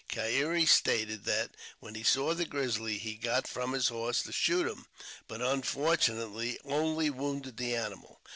Keyere stated that, when he saw the grizzly, he got from his horse to shoot him, but unfortunately only wounded the animal.